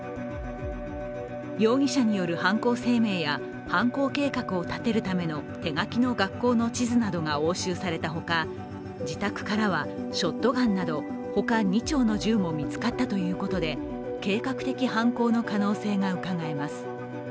容疑者による犯行声明や犯行計画を立てるための手書きの学校の地図などが押収されたほか、自宅からはショットガンなどほか２丁の銃も見つかったということで計画的犯行の可能性がうかがえます。